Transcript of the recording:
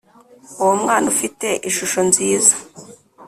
uwo mwana ufite ishusho nziza